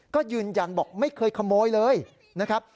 ก็ยืนยันบอกไม่เคยขโมยเลยนะครับ